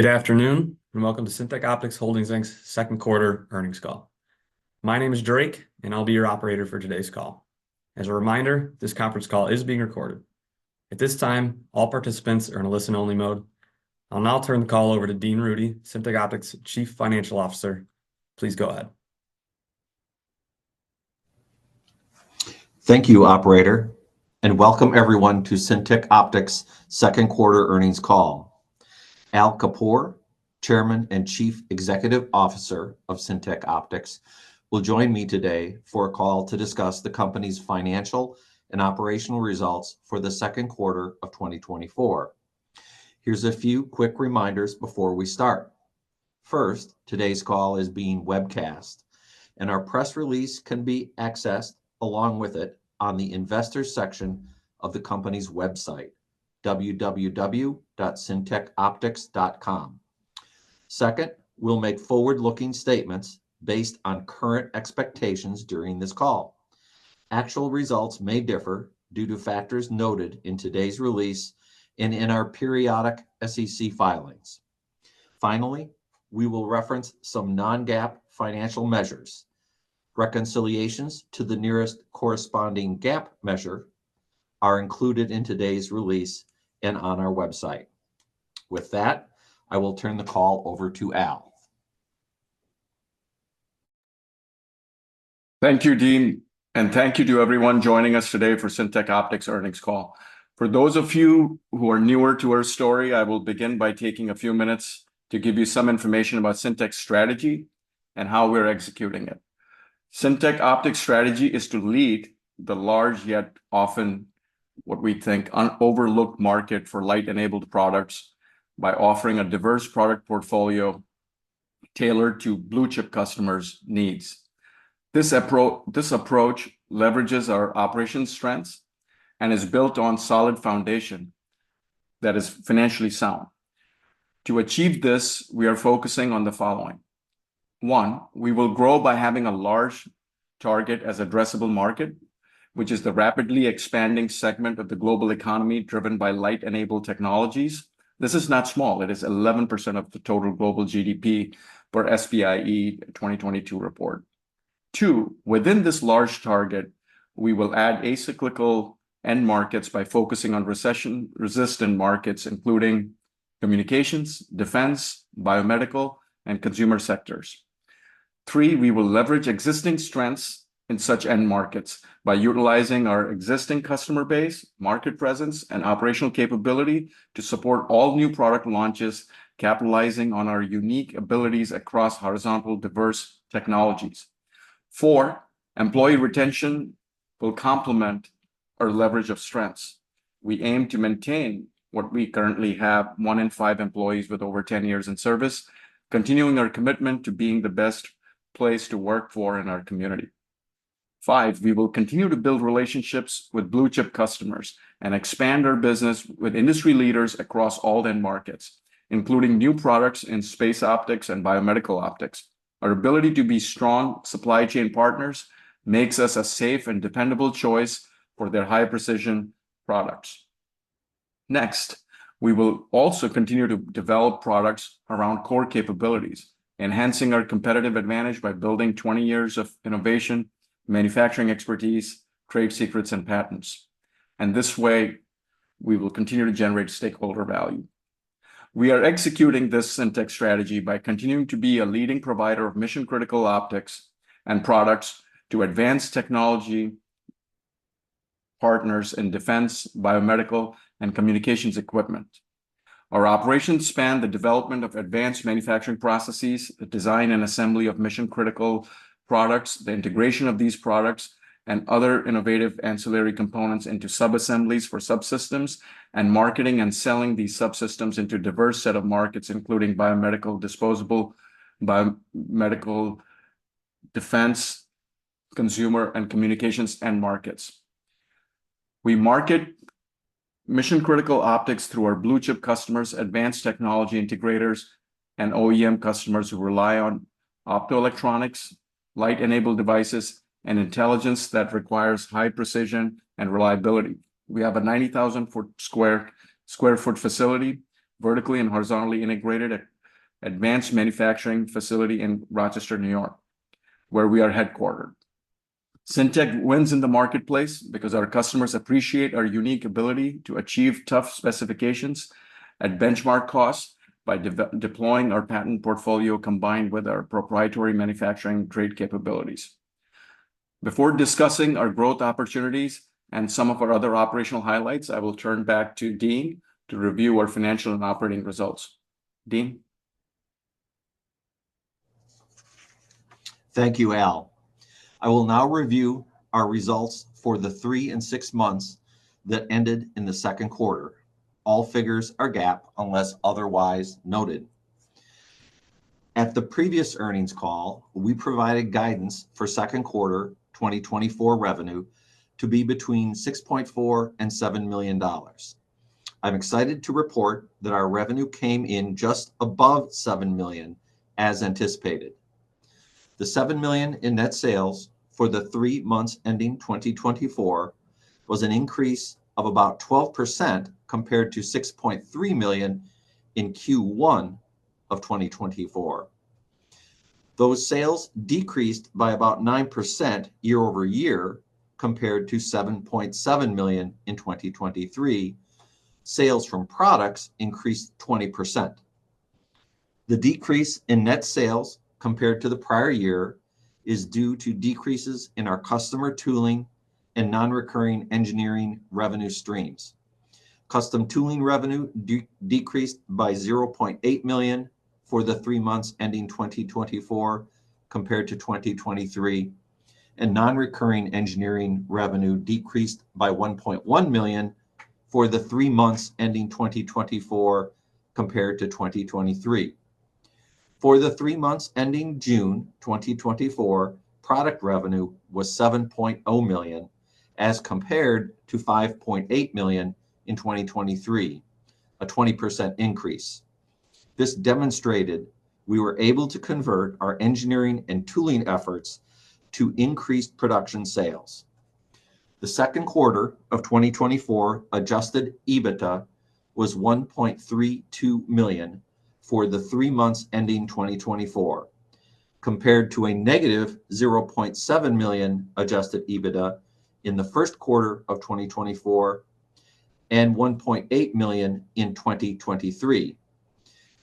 Good afternoon, and welcome to Syntec Optics Holdings, Inc.'s second quarter earnings call. My name is Drake, and I'll be your operator for today's call. As a reminder, this conference call is being recorded. At this time, all participants are in a listen-only mode. I'll now turn the call over to Dane Rudy, Syntec Optics' Chief Financial Officer. Please go ahead. Thank you, operator, and welcome everyone to Syntec Optics' second quarter earnings call. Al Kapoor, Chairman and Chief Executive Officer of Syntec Optics, will join me today for a call to discuss the company's financial and operational results for the second quarter of 2024. Here's a few quick reminders before we start. First, today's call is being webcast, and our press release can be accessed along with it on the investor section of the company's website, www.syntecoptics.com. Second, we'll make forward-looking statements based on current expectations during this call. Actual results may differ due to factors noted in today's release and in our periodic SEC filings. Finally, we will reference some Non-GAAP financial measures. Reconciliations to the nearest corresponding GAAP measure are included in today's release and on our website. With that, I will turn the call over to Al. Thank you, Dane, and thank you to everyone joining us today for Syntec Optics earnings call. For those of you who are newer to our story, I will begin by taking a few minutes to give you some information about Syntec's strategy and how we're executing it. Syntec Optics' strategy is to lead the large, yet often what we think an overlooked market for light-enabled products by offering a diverse product portfolio tailored to blue-chip customers' needs. This approach leverages our operations strengths and is built on solid foundation that is financially sound. To achieve this, we are focusing on the following: One, we will grow by having a large target as addressable market, which is the rapidly expanding segment of the global economy, driven by light-enabled technologies. This is not small. It is 11% of the total global GDP per SPIE 2022 report. Two, within this large target, we will add acyclical end markets by focusing on recession-resistant markets, including communications, defense, biomedical, and consumer sectors. Three, we will leverage existing strengths in such end markets by utilizing our existing customer base, market presence, and operational capability to support all new product launches, capitalizing on our unique abilities across horizontal diverse technologies. Four, employee retention will complement our leverage of strengths. We aim to maintain what we currently have, one in five employees with over 10 years in service, continuing our commitment to being the best place to work for in our community. Five, we will continue to build relationships with blue-chip customers and expand our business with industry leaders across all end markets, including new products in space optics and biomedical optics. Our ability to be strong supply chain partners makes us a safe and dependable choice for their high-precision products. Next, we will also continue to develop products around core capabilities, enhancing our competitive advantage by building 20 years of innovation, manufacturing expertise, trade secrets, and patents, and this way, we will continue to generate stakeholder value. We are executing this Syntec strategy by continuing to be a leading provider of mission-critical optics and products to advanced technology partners in defense, biomedical, and communications equipment. Our operations span the development of advanced manufacturing processes, the design and assembly of mission-critical products, the integration of these products and other innovative ancillary components into subassemblies for subsystems, and marketing and selling these subsystems into a diverse set of markets, including biomedical, disposable, biomedical, defense, consumer, and communications end markets. We market mission-critical optics through our blue-chip customers, advanced technology integrators, and OEM customers who rely on optoelectronics, light-enabled devices, and intelligence that requires high precision and reliability. We have a 90,000-sq ft facility, vertically and horizontally integrated, an advanced manufacturing facility in Rochester, New York, where we are headquartered. Syntec wins in the marketplace because our customers appreciate our unique ability to achieve tough specifications at benchmark costs by deploying our patent portfolio, combined with our proprietary manufacturing trade capabilities. Before discussing our growth opportunities and some of our other operational highlights, I will turn back to Dane to review our financial and operating results. Dane? Thank you, Al. I will now review our results for the three and six months that ended in the second quarter. All figures are GAAP, unless otherwise noted. At the previous earnings call, we provided guidance for second quarter 2024 revenue to be between $6.4 million and $7 million. I'm excited to report that our revenue came in just above $7 million, as anticipated. The $7 million in net sales for the three months ending 2024 was an increase of about 12% compared to $6.3 million in Q1 of 2024. Those sales decreased by about 9% year-over-year, compared to $7.7 million in 2023. Sales from products increased 20%. The decrease in net sales compared to the prior year is due to decreases in our customer tooling and non-recurring engineering revenue streams. Custom tooling revenue decreased by $0.8 million for the three months ending 2024 compared to 2023, and non-recurring engineering revenue decreased by $1.1 million for the three months ending 2024 compared to 2023. For the three months ending June 2024, product revenue was $7.0 million, as compared to $5.8 million in 2023, a 20% increase. This demonstrated we were able to convert our engineering and tooling efforts to increase production sales. The second quarter of 2024 Adjusted EBITDA was $1.32 million for the three months ending 2024, compared to a negative $0.7 million Adjusted EBITDA in the first quarter of 2024, and $1.8 million in 2023.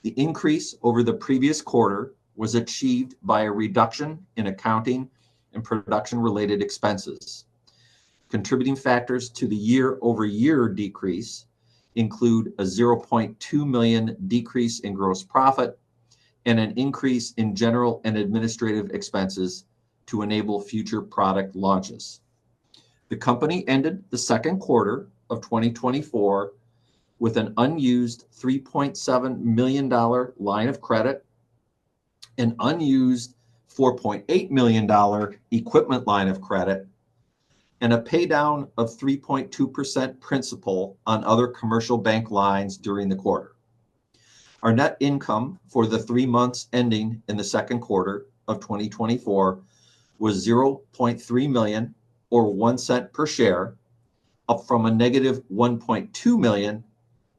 The increase over the previous quarter was achieved by a reduction in accounting and production-related expenses. Contributing factors to the year-over-year decrease include a $0.2 million decrease in gross profit and an increase in general and administrative expenses to enable future product launches. The company ended the second quarter of 2024 with an unused $3.7 million line of credit, an unused $4.8 million equipment line of credit, and a pay down of 3.2% principal on other commercial bank lines during the quarter. Our net income for the three months ending in the second quarter of 2024 was $0.3 million or $0.01 per share, up from a negative $1.2 million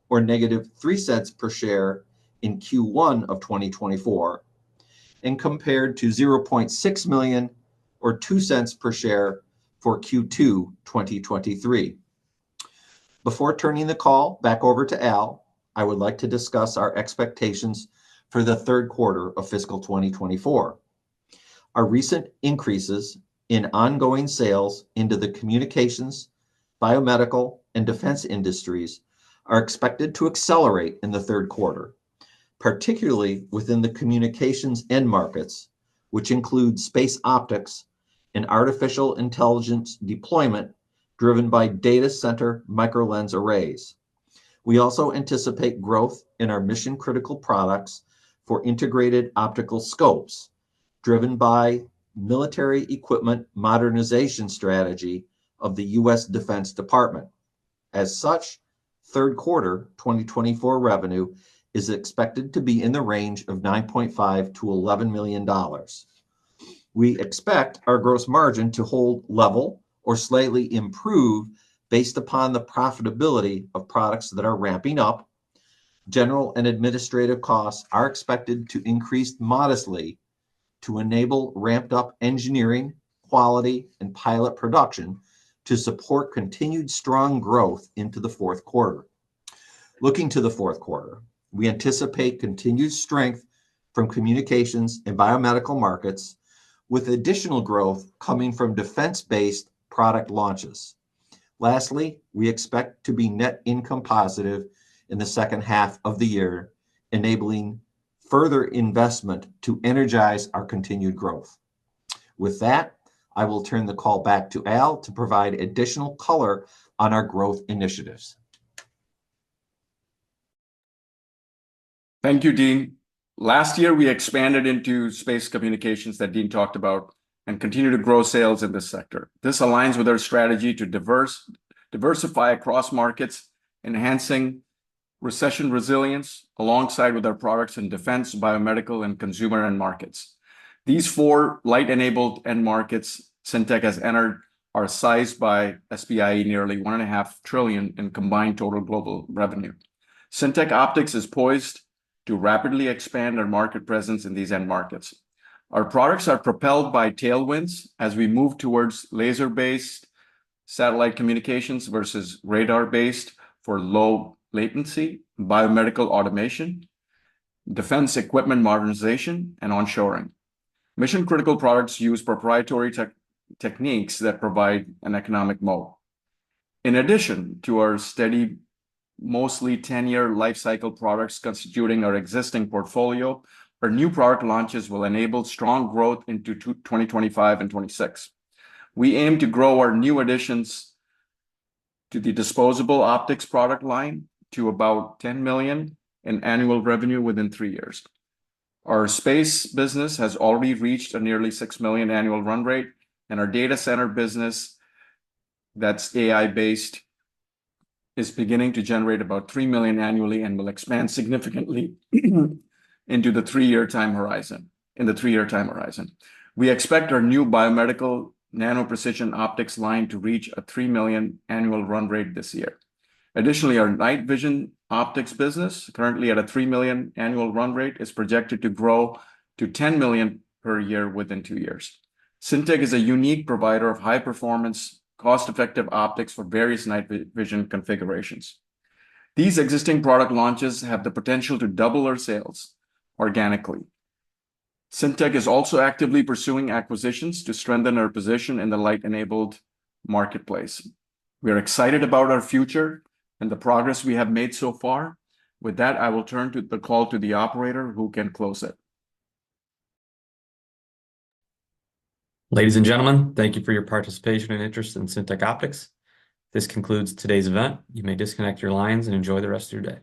or negative $0.03 per share in Q1 of 2024, and compared to $0.6 million or $0.02 per share for Q2 2023. Before turning the call back over to Al, I would like to discuss our expectations for the third quarter of fiscal 2024. Our recent increases in ongoing sales into the communications, biomedical, and defense industries are expected to accelerate in the third quarter, particularly within the communications end markets, which include space optics and artificial intelligence deployment, driven by data center microlens arrays. We also anticipate growth in our mission-critical products for integrated optical scopes, driven by military equipment modernization strategy of the U.S. Department of Defense. As such, third quarter 2024 revenue is expected to be in the range of $9.5 million-$11 million. We expect our gross margin to hold level or slightly improve based upon the profitability of products that are ramping up. General and administrative costs are expected to increase modestly to enable ramped-up engineering, quality, and pilot production to support continued strong growth into the fourth quarter. Looking to the fourth quarter, we anticipate continued strength from communications and biomedical markets, with additional growth coming from defense-based product launches. Lastly, we expect to be net income positive in the second half of the year, enabling further investment to energize our continued growth. With that, I will turn the call back to Al to provide additional color on our growth initiatives. Thank you, Dane. Last year, we expanded into space communications that Dane talked about, and continue to grow sales in this sector. This aligns with our strategy to diversify across markets, enhancing recession resilience, alongside with our products in defense, biomedical, and consumer end markets. These four light-enabled end markets Syntec has entered are sized by SPIE, nearly $1.5 trillion in combined total global revenue. Syntec Optics is poised to rapidly expand our market presence in these end markets. Our products are propelled by tailwinds as we move towards laser-based satellite communications versus radar-based for low latency, biomedical automation, defense equipment modernization, and on-shoring. Mission-critical products use proprietary techniques that provide an economic moat. In addition to our steady, mostly 10-year life cycle products constituting our existing portfolio, our new product launches will enable strong growth into 2025 and 2026. We aim to grow our new additions to the disposable optics product line to about $10 million in annual revenue within three years. Our space business has already reached a nearly $6 million annual run rate, and our data center business, that's AI-based, is beginning to generate about $3 million annually and will expand significantly into the three-year time horizon. We expect our new biomedical nano-precision optics line to reach a $3 million annual run rate this year. Additionally, our night vision optics business, currently at a $3 million annual run rate, is projected to grow to $10 million per year within two years. Syntec is a unique provider of high-performance, cost-effective optics for various night vision configurations. These existing product launches have the potential to double our sales organically. Syntec is also actively pursuing acquisitions to strengthen our position in the light-enabled marketplace. We are excited about our future and the progress we have made so far. With that, I will turn to the call to the operator, who can close it. Ladies and gentlemen, thank you for your participation and interest in Syntec Optics. This concludes today's event. You may disconnect your lines and enjoy the rest of your day.